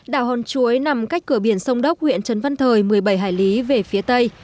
đảo hòn chuối nằm cách cửa biển sông đốc huyện trấn văn thời một mươi bảy hải lý về phía tây